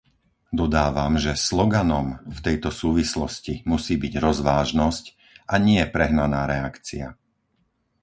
Dodávam, že sloganom v tejto súvislosti musí byť rozvážnosť a nie prehnaná reakcia.